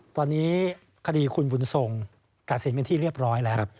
ตอนนี้คดีคุณบุญทรงตัดสินเป็นที่เรียบร้อยแล้ว